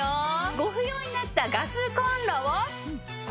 ご不要になったガスコンロをこちら！